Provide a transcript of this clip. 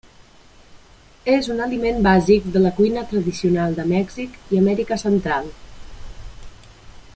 És un aliment bàsic de la cuina tradicional de Mèxic i Amèrica Central.